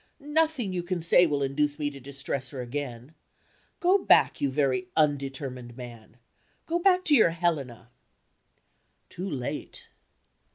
Nothing you can say will induce me to distress her again. Go back, you very undetermined man go back to your Helena." "Too late."